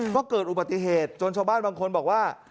ก็เกิดอุบัติเหตุจนชาวบ้านบางคนบอกว่า